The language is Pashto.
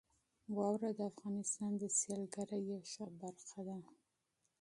واوره د افغانستان د سیلګرۍ یوه ښه برخه ده.